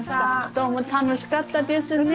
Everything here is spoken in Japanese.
どうも楽しかったですね。